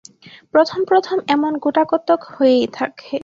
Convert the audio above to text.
প্রথম প্রথম এমন গোটাকতক হয়েই থাকে।